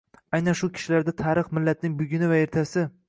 aynan shu kishilarda tarix, millatning buguni va ertasi